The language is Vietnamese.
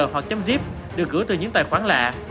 hoặc zip được gửi từ những tài khoản lạ